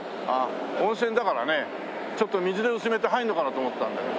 温泉だからねちょっと水で薄めて入るのかなと思ったんだけど。